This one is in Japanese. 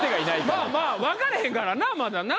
まあまあ分かれへんからなまだな。